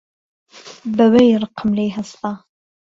بە وەی ڕقم لێی هەستا